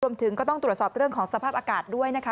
รวมถึงก็ต้องตรวจสอบเรื่องของสภาพอากาศด้วยนะคะ